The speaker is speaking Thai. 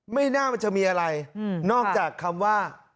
ไม่น่ามันจะมีอะไรนอกจากคำว่า